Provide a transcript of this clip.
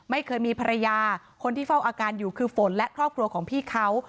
ไม่เคยมีภรรยาคนที่เฝ้าอาการอยู่คือฝนและครอบครัวของพี่เขา